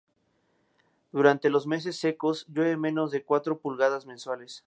Durante los meses secos llueve menos de cuatro pulgadas mensuales.